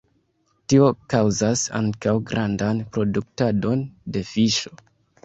Tio kaŭzas ankaŭ grandan produktadon de fiŝo.